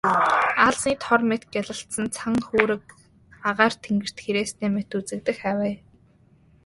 Аалзны тор мэт гялалзсан цан хүүрэг агаар тэнгэрт хэрээстэй мэт үзэгдэх авай.